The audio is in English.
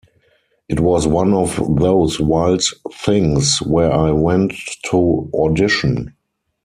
It was one of those wild things where I went to audition.